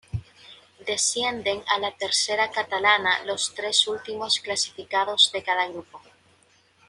Descienden a la Tercera Catalana los tres últimos clasificados de cada grupo.